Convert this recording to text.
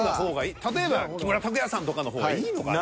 例えば木村拓哉さんとかの方がいいのかな。